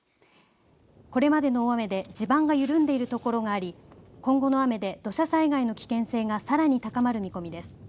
これまでの大雨で地盤が緩んでいるところがあり今後の雨で土砂災害の危険性がさらに高まる見込みです。